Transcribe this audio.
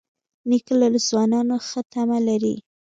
نیکه له ځوانانو ښه تمه لري.